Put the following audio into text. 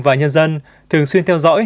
và nhân dân thường xuyên theo dõi